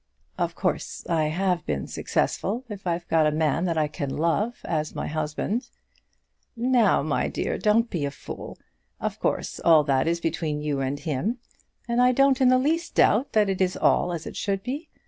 "Of course I have been successful if I've got a man that I can love as my husband." "Now, my dear, don't be a fool. Of course all that is between you and him, and I don't in the least doubt that it is all as it should be.